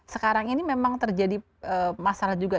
sekarang ini memang terjadi masalah juga